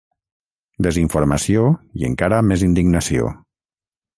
Desinformació i encara més indignació.